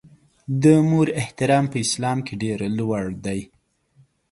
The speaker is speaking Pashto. د مور احترام په اسلام کې ډېر لوړ دی.